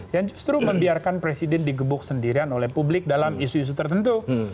yang justru membiarkan presiden digebuk sendirian oleh publik dalam isu isu tertentu